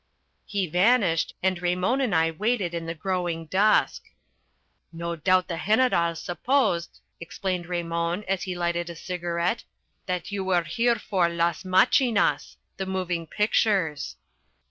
He vanished, and Raymon and I waited in the growing dusk. "No doubt the General supposed," explained Raymon, as he lighted a cigarette, "that you were here for las machinas, the moving pictures."